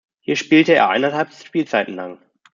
Hier spielte er eineinhalb Spielzeiten lang.